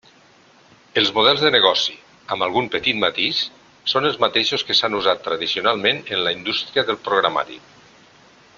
Els models de negoci, amb algun petit matís, són els mateixos que s'han usat tradicionalment en la indústria del programari.